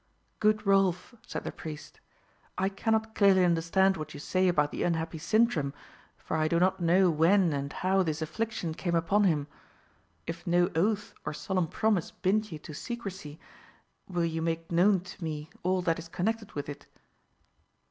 "Good Rolf," said the priest, "I cannot clearly understand what you say about the unhappy Sintram; for I do not know when and how this affliction came upon him. If no oath or solemn promise bind you to secrecy, will you make known to me all that is connected with it?"